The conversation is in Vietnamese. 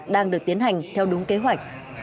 đang được tiến hành theo đúng kế hoạch